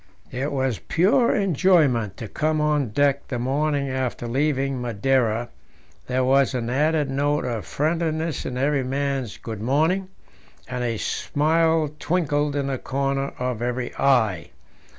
It was pure enjoyment to come on deck the morning after leaving Madeira; there was an added note of friendliness in every man's "Good morning," and a smile twinkled in the corner of every eye.